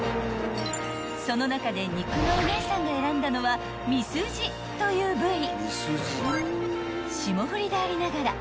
［その中で肉のお姉さんが選んだのはミスジという部位］